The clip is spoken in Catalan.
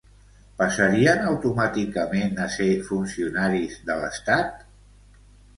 Passarien automàticament a ser funcionaris de l’estat?